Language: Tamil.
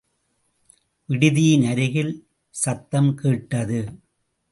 விடுதியின் அருகில் சத்த்ம் கேட்டது.